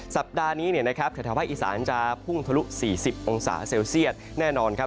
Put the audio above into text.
สัปดาห์นี้เนี่ยนะครับแถวภาคอีสานจะพุ่งทะลุ๔๐องศาเซลเซียตแน่นอนครับ